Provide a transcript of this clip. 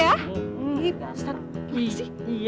pak ustadz permisi